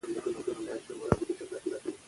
فتح خان د خپلو سرتیرو د ملاتړ لپاره هڅه وکړه.